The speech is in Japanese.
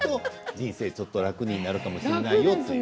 人生ちょっと楽になるかもしれないよと。